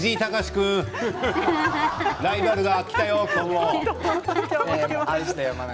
君ライバルが来たよ！